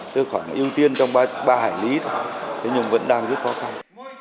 từ khoảng ưu tiên trong ba hải lý thôi thế nhưng vẫn đang rất khó khăn